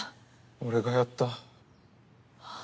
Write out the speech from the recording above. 俺がやった。